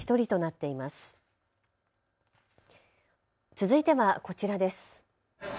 続いてはこちらです。